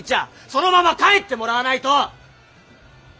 そのまま帰ってもらわないと。